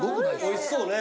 おいしそうね。